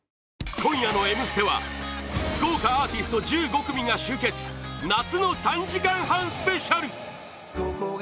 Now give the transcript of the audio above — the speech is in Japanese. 今夜の「Ｍステ」は豪華アーティスト１５組が集結夏の３時間半スペシャル！